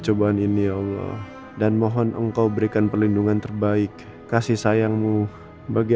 cobaan ini allah dan mohon engkau berikan perlindungan terbaik kasih sayangmu bagi